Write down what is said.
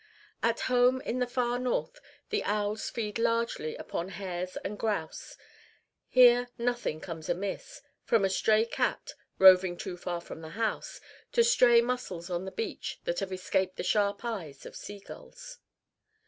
At home in the far north, the owls feed largely upon hares and grouse; here nothing comes amiss, from a stray cat, roving too far from the house, to stray mussels on the beach that have escaped the sharp eyes of sea gulls.